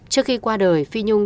trước khi qua đời phi nhung